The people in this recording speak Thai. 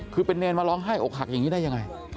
คือเป็นเนรมาร้องไห้อกหักอย่างนี้ได้ยังไง